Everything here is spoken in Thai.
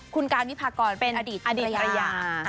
คุณการวิพากรเป็นอดิตระยะ